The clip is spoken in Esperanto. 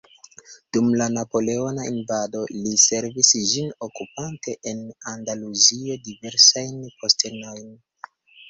Dum la napoleona invado li servis ĝin okupante en Andaluzio diversajn postenojn.